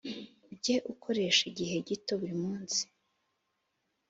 ujye ukoresha igihe gito buri munsi